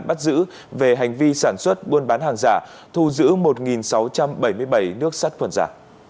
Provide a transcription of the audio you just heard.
bắt giữ về hành vi sản xuất buôn bán hàng giả thu giữ một sáu trăm bảy mươi bảy nước sát khuẩn giả